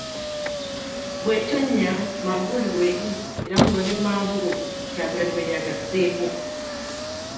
Bw'etonnya Manvuuli w'eri era mulonde Manvuuli, Kyagulanyi bwe yagasseeko.